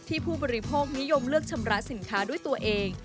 ผู้บริโภคนิยมเลือกชำระสินค้าด้วยตัวเอง